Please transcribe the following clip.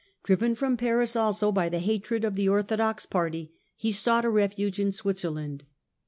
Driven from Paris also by the hatred of the orthodox party, he sought a refuge in Switzerland.